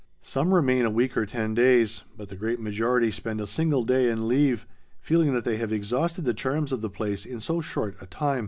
Some remain a week or ten days, but the great majority spend a single day and leave, feeling that they have exhausted the charms of the place in so short a time.